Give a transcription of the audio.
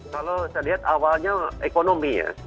kalau saya lihat awalnya ekonomi ya